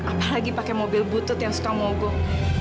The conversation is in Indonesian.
apalagi pakai mobil butut yang suka mogok